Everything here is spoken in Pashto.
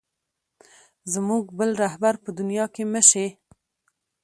زموږ بل رهبر په دنیا کې مه شې.